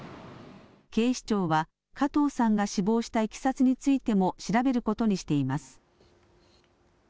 警視庁は加藤さんが死亡したいきさつについても調べることにしています。